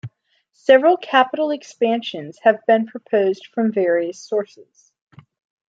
Several capital expansions have been proposed from various sources.